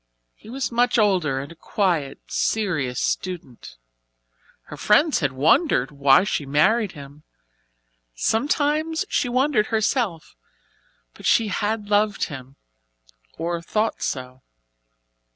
He was much older and a quiet, serious student. Her friends had wondered why she married him sometimes she wondered herself, but she had loved him, or thought so.